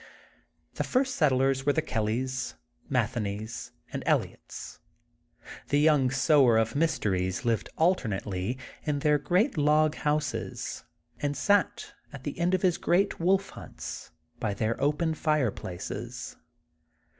The first settlers were the Kellysy Mathe neys and Elliots. The young sower of mys teries lived alternately in their great log houses, and sat, at the end of his great wolf hunts, by their open fireplaces.